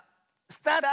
スタート！